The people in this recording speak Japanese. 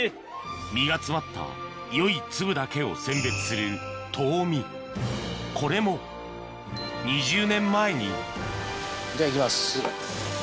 実が詰まったよい粒だけを選別するこれも２０年前にじゃあ行きます。